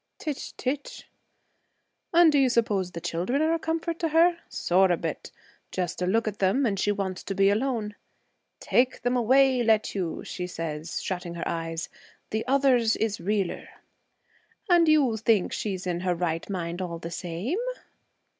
'Tch! tch!' 'And do you suppose the children are a comfort to her? Sorra bit. Just a look at them and she wants to be alone. "Take them away, let you," says she, shutting her eyes. "The others is realer."' 'And you think she's in her right mind all the same?'